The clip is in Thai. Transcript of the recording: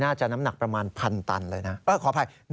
น่าจะน้ำหนักประมาณ๑๐๐๐ตันเลยนะ